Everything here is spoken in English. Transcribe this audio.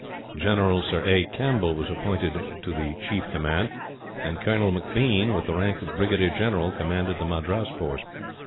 General Sir A. Campbell was appointed to the chief command, and Colonel M'Bean, with the rank of Brigadier General, commanded the Madras force.